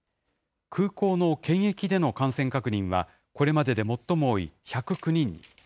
空港の検疫での感染確認は、これまでで最も多い１０９人。